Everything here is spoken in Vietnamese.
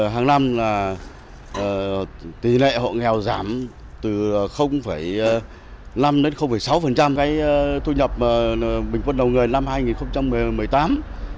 hàng năm là tỷ lệ hộ nghèo giảm từ năm đến sáu cái thu nhập bình quân đầu người năm hai nghìn một mươi tám